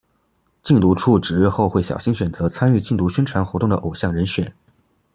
禁毒处指日后会小心选择参与禁毒宣传活动的偶像人选。